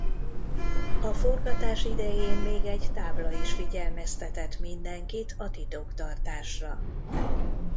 A forgatás idején még egy tábla is figyelmeztetett mindenkit a titoktartásra.